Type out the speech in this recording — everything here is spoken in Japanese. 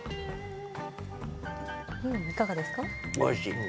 いかがですか？